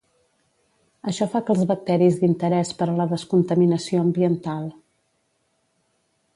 Això fa que els bacteris d'interès per a la descontaminació ambiental.